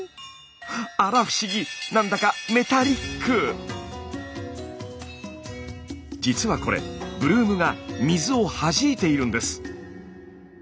あら不思議何だかじつはこれブルームが水をはじいているんです。